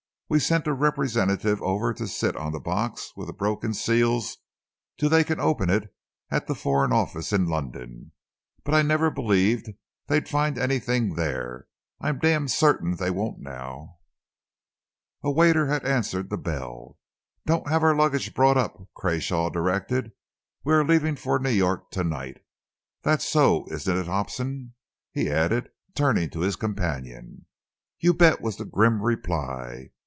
"We've sent a representative over to sit on the box with the broken seals till they can open it at the Foreign Office in London, but I never believed they'd find anything there. I'm damned certain they won't now!" A waiter had answered the bell. "Don't have our luggage brought up," Crawshay directed. "We are leaving for New York to night. That's so, isn't it, Hobson?" he added, turning to his companion. "You bet!" was the grim reply.